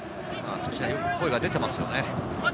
よく声が出てますよね。